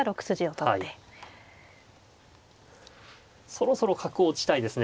そろそろ角を打ちたいですね。